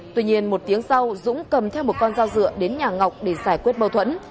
tuy nhiên một tiếng sau dũng cầm theo một con dao dựa đến nhà ngọc để giải quyết mâu thuẫn